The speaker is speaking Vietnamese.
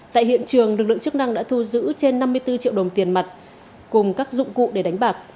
tại hiện trường lực lượng chức năng đã thu giữ trên năm mươi bốn triệu đồng tiền mặt cùng các dụng cụ để đánh bạc